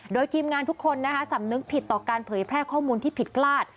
โดยทีมงานทุกคนสำนึกผิดต่อการเผยแพร่ข้อมูลที่ผิดพลาด